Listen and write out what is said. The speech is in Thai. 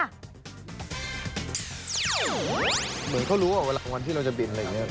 เหมือนเขารู้ว่าเวลาวันที่เราจะบินอะไรอย่างนี้